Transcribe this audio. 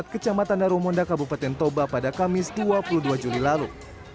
kecamatan darumonda kabupaten toba pada kamis dua puluh dua juli lalu